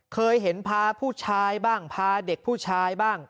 เคยเห็นพาผู้ชายบ้างพาเด็กผู้ชายบ้าง